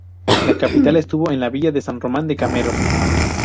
La capitalidad estuvo en la villa de San Román de Cameros.